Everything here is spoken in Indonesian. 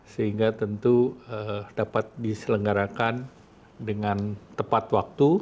sehingga tentu dapat diselenggarakan dengan tepat waktu